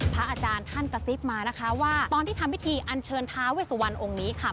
พระอาจารย์ท่านกระซิบมานะคะว่าตอนที่ทำพิธีอันเชิญท้าเวสุวรรณองค์นี้ค่ะ